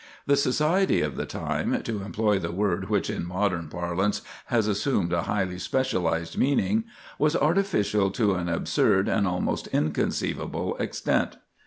The society of the time, to employ the word which in modern parlance has assumed a highly specialized meaning, was artificial to an absurd and almost inconceivable extent.